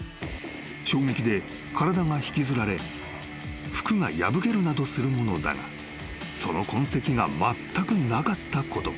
衝撃で体が引きずられ服が破けるなどするものだがその痕跡がまったくなかったこと］